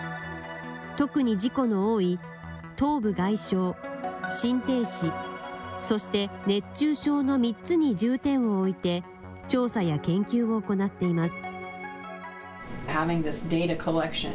特に事故の多い頭部外傷、心停止、そして熱中症の３つに重点を置いて、調査や研究を行っています。